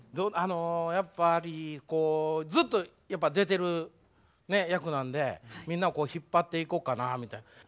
あのやっぱりこうずっと出てる役なんでみんなを引っ張っていこうかなみたいな。